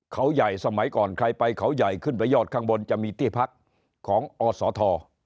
เขาใหญ่สมัยก่อนใครไปเขาใหญ่ขึ้นไปยอดข้างบนจะมีที่พักของอศท